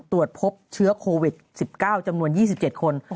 ตรวจพบเชื้อโควิด๑๙จำนวน๒๗คน